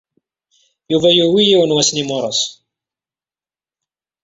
Yuba yuwey yiwen wass n yimuras.